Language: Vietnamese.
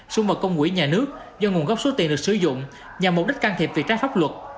xuân mật công quỹ nhà nước do nguồn gốc số tiền được sử dụng nhằm mục đích can thiệp việc trách pháp luật